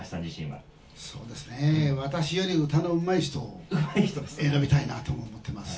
そうですね、私より歌のうまい人を選びたいなと思ってます。